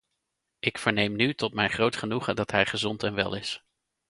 Ik verneem nu tot mijn groot genoegen dat hij gezond en wel is.